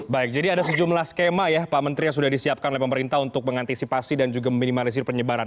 baik jadi ada sejumlah skema ya pak menteri yang sudah disiapkan oleh pemerintah untuk mengantisipasi dan juga meminimalisir penyebaran